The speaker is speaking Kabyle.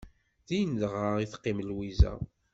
Din dɣa i teqqim Lwiza.